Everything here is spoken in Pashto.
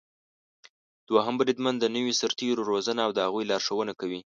دوهم بریدمن د نويو سرتېرو روزنه او د هغوی لارښونه کوي.